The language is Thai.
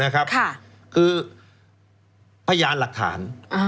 คือพยานหลักฐาน